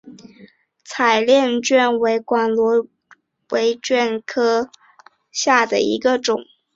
彩炼卷管螺为卷管螺科细切嘴螺属下的一个种。